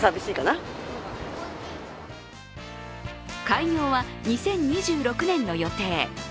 開業は２０２６年の予定。